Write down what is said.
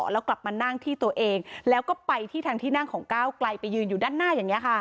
แล้วกลับมานั่งที่ตัวเองแล้วก็ไปที่ทางที่นั่งของก้าวไกลไปยืนอยู่ด้านหน้าอย่างนี้ค่ะ